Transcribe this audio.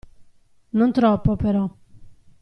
Non troppo, però.